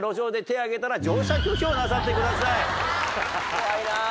怖いなぁ。